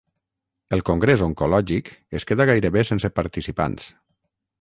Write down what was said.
El congrés oncològic es queda gairebé sense participants